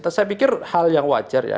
saya pikir hal yang wajar ya